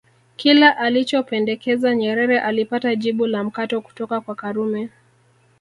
Kila alichopendekeza Nyerere alipata jibu la mkato kutoka kwa Karume